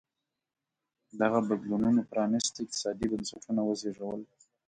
دغو بدلونونو پرانېستي اقتصادي بنسټونه وزېږول.